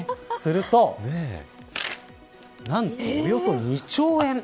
すると、何とおよそ２兆円。